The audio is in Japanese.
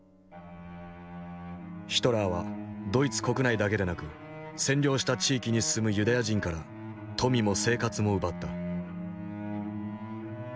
ヒトラーはドイツ国内だけでなく占領した地域に住むユダヤ人から富も生活も奪った。